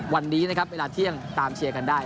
วันนี้นะครับเวลาเที่ยงตามเชียร์กันได้